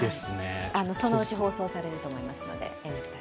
そのうち放送されると思いますので。